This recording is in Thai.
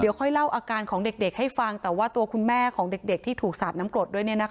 เดี๋ยวค่อยเล่าอาการของเด็กเด็กให้ฟังแต่ว่าตัวคุณแม่ของเด็กเด็กที่ถูกสาดน้ำโกรธด้วยเนี้ยนะคะ